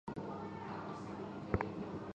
拟长毛锥花为唇形科锥花属下的一个种。